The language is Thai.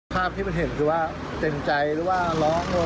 ภาพที่มันเห็นคือว่าเต็มใจหรือว่าร้อง